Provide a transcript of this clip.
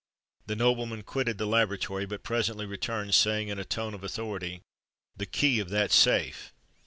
The nobleman quitted the laboratory, but presently returned, saying in a tone of authority, "The key of that safe!"